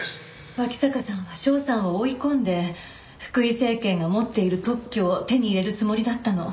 脇坂さんは翔さんを追い込んで福井精研が持っている特許を手に入れるつもりだったの。